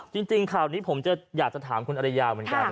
จริงข่าวนี้ผมจะอยากจะถามคุณอริยาเหมือนกัน